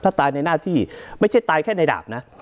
ถ้าตายในหน้าที่ไม่ใช่ตายแค่ในดาบนะ